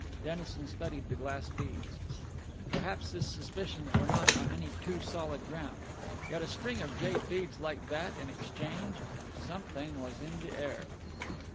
Dennison studied the glass beads. Perhaps his suspicions were not on any too solid ground. Yet a string of jade beads like that in exchange! Something was in the air.